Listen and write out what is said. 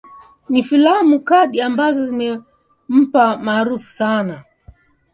ni filamu card ambazo zimempa umaarufu sana